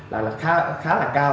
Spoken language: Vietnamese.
là khá là cao